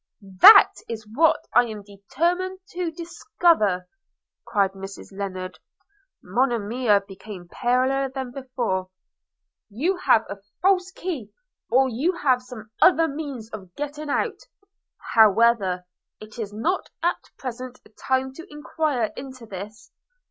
'That is what I am determined to discover,' cried Mrs Lennard – (Monimia became paler than before) – 'You have a false key, or you have some other means of getting out – However, it is not at present a time to enquire into this.